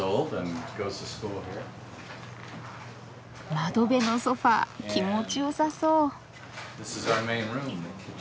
窓辺のソファー気持ちよさそう。